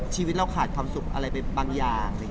ชีวิตเราขาดความสุขอะไรไปบางอย่างอะไรเงี้ยค่ะ